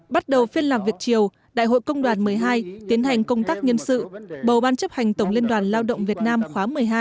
bắt đầu phiên làm việc chiều đại hội công đoàn một mươi hai tiến hành công tác nhân sự bầu ban chấp hành tổng liên đoàn lao động việt nam khóa một mươi hai